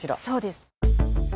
そうです。